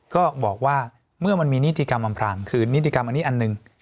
ก็บอกว่าเมื่อมันมีนิติกรรมอำพรางคือนิติกรรมอันนี้อันหนึ่ง